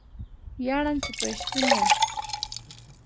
ویاړم چې پښتون یم